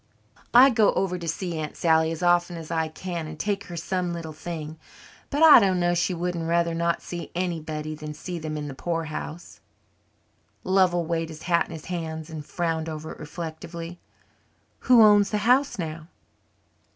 I go over to see Aunt Sally as often as I can and take her some little thing, but I dunno's she wouldn't rather not see anybody than see them in the poorhouse." Lovell weighed his hat in his hands and frowned over it reflectively. "Who owns the house now?"